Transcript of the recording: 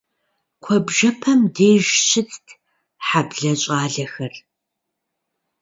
Куэбжэпэм деж щытт хьэблэ щӏалэхэр.